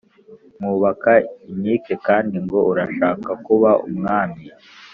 mwubaka inkike kandi ngo urashaka kuba umwami